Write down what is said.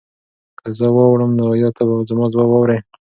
که زه واوړم نو ایا ته به زما ځواب واورې؟